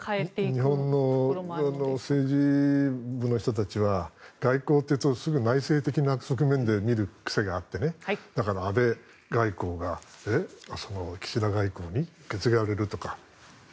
日本の政治部の人たちは外交っていうとすぐ内政的な側面で見る癖があってだから、安倍外交が岸田外交に受け継がれるとか。